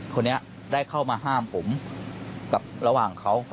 คนนี้ได้เข้ามาห้ามผมกับระหว่างเขา